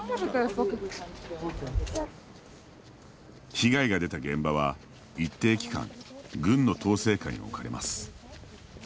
被害が出た現場は一定期間軍の統制下に置かれます。